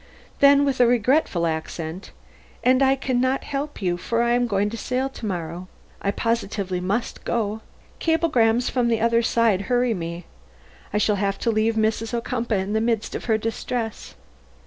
Then with a regretful accent: "And I can not help you, for I am going to sail to morrow. I positively must go. Cablegrams from the other side hurry me. I shall have to leave Mrs. Ocumpaugh in the midst of her distress."